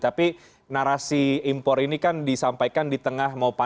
tapi narasi impor ini kan disampaikan di tengah mau panen